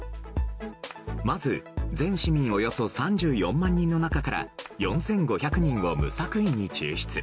まず、全市民およそ３４万人の中から４５００人を無作為に抽出。